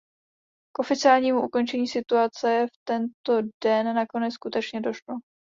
K oficiálnímu ukončení stanice v tento den nakonec skutečně došlo.